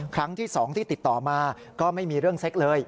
ครั้งที่๒ที่ติดต่อมาก็ไม่มีเรื่องเซ็กเลย